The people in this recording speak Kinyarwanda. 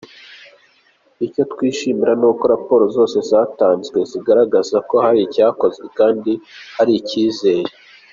Icyo twishimira ni uko raporo zose zatanzwe zigaragaza ko hari icyakozwe kandi hari icyizere.